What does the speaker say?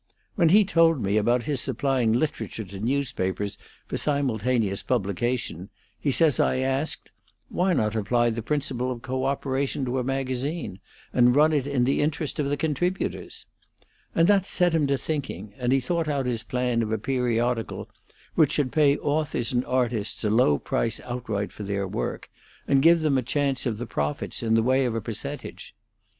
When he told me about his supplying literature to newspapers for simultaneous publication, he says I asked: 'Why not apply the principle of co operation to a magazine, and run it in the interest of the contributors?' and that set him to thinking, and he thought out his plan of a periodical which should pay authors and artists a low price outright for their work and give them a chance of the profits in the way of a percentage.